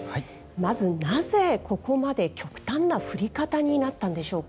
まずなぜここまで極端な降り方になったんでしょうか。